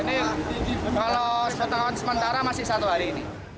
ini kalau sementara masih satu hari ini